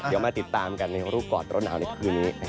เดี๋ยวมาติดตามกันรูปกรอบรถหนาวนี้คืนนี้